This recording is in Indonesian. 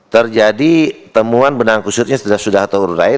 terjadi temuan benang kusutnya sudah terurai